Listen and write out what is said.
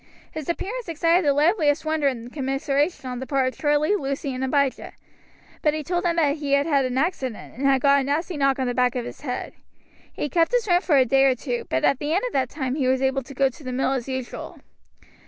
His appearance excited the liveliest wonder and commiseration on the part of Charlie, Lucy, and Abijah; but he told them that he had had an accident, and had got a nasty knock on the back of his head. He kept his room for a day or two; but at the end of that time he was able to go to the mill as usual.